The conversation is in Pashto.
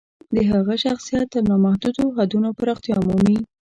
د هغه شخصیت تر نامحدودو حدونو پراختیا مومي.